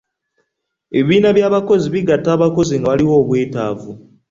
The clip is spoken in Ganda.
Ebibiina by'abakozi bgatta abakozi nga waliwo obwetaavu.